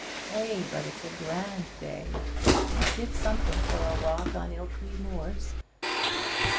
'Eh, but it's a grand day! I'd give something for a walk on Ilkley Moors.'